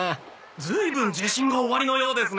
ずいぶん自信がおありのようですね。